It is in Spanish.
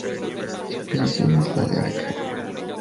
Su posición es la de Arquero.